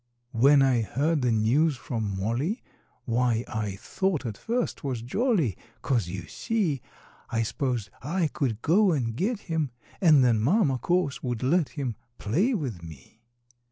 When I heard the news from Molly, Why, I thought at first 't was jolly, 'Cause, you see, I s'posed I could go and get him And then Mama, course, would let him Play with me.